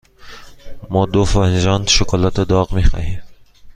ما دو فنجان شکلات داغ می خواهیم.